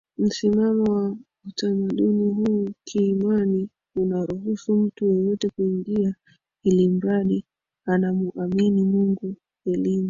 msimamo wa utamaduni huu kiimani unaruhusu mtu yeyote kuingia ilimradi anamuamini Mungu Elimu